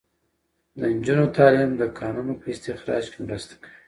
د نجونو تعلیم د کانونو په استخراج کې مرسته کوي.